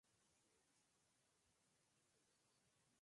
Fue una expedición de sólo dos mujeres.